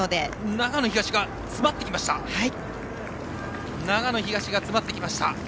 長野東、詰まってきました。